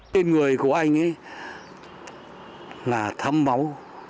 tên người của anh ấy là thấm máu